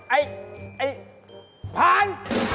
ไอ้ไอ้พาน